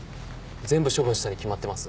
全部処分したに決まってます。